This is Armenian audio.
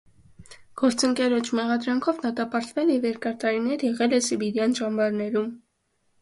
Գործընկերոջ մեղադրանքով դատապարտվել և երկար տարիներ եղել է սիբիրյան ճամբարներում։